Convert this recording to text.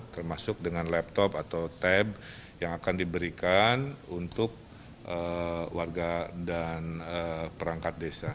termasuk dengan laptop atau tab yang akan diberikan untuk warga dan perangkat desa